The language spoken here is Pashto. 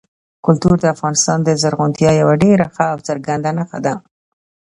کلتور د افغانستان د زرغونتیا یوه ډېره ښه او څرګنده نښه ده.